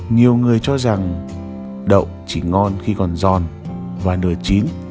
nhiều người cho rằng đậu chỉ ngon khi còn giòn và nở chín